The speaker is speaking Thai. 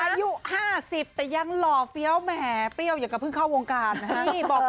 อายุ๕๐แต่ยังหล่อเฟี้ยวแหมเปรี้ยวอย่ากระเพิ่งเข้าวงการนะฮะ